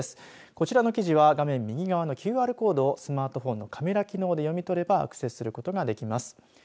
こちらの記事は右側のＱＲコードをスマートフォンのカメラ機能で読み取ればアクセスできます。